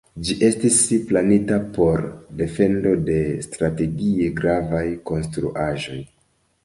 Ĝi estis planita por defendo de strategie gravaj konstruaĵoj.